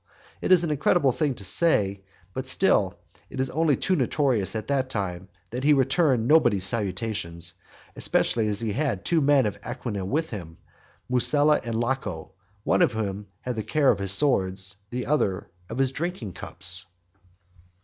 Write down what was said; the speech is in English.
It is an incredible thing to say, but still it was only too notorious at the time, that he returned nobody's salutation; especially as he had two men of Anagnia with him, Mustela and Laco; one of whom had the care of his swords, and the other of his drinking cups.